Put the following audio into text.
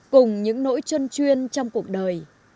cùng những nỗi chân chuyên trong cuộc đời